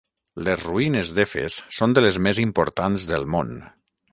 Les ruïnes d'Efes són de les més importants del món.